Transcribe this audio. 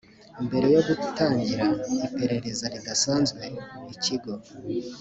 mbere yo gutangira iperereza ridasanzwe ikigo